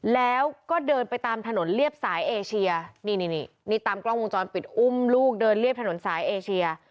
แล้วก็เดินไปตามถนนเรียบสายเอเชียนี่นี่ตามกล้องวงจรปิดอุ้มลูกเดินเรียบถนนสายเอเชีย